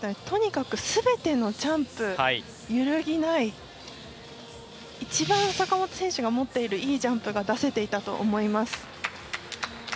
とにかく全てのジャンプが揺るぎない坂本選手が持っている一番いいジャンプを出せていたと思います。